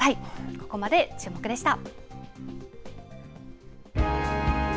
ここまでチューモク！でした。